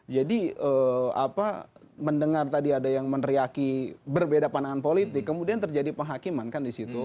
jadi mendengar tadi ada yang meneriaki berbeda pandangan politik kemudian terjadi penghakiman kan di situ